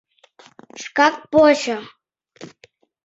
Шкак почо.